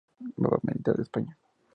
Mapa Militar de España.